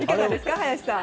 林さん。